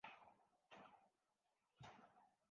تو ہمارے پاس بھی ہے۔